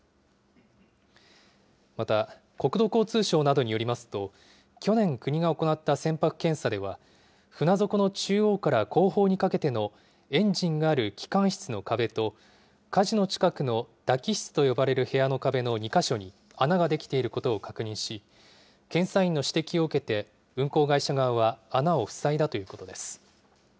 また、国土交通省などによりますと、去年、国が行った船舶検査では、船底の中央から後方にかけてのエンジンがある機関室の壁と、かじの近くのだ機室と呼ばれる部屋の壁の２か所に穴が出来ていることを確認し、検査員の指摘を受けて運航会社側は穴を塞いだということです。